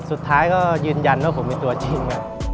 สุดท้ายก็ยืนยันว่าผมเป็นตัวจริง